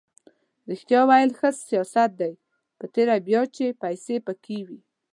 ریښتیا ویل ښه سیاست دی په تېره بیا چې پیسې پکې وي.